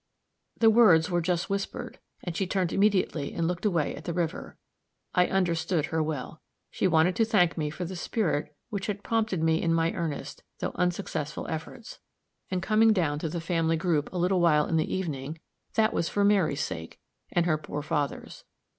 The words were just whispered, and she turned immediately and looked away at the river. I understood her well. She wanted to thank me for the spirit which had prompted me in my earnest, though unsuccessful efforts. And coming down to the family group a little while in the evening, that was for Mary's sake, and her poor father's.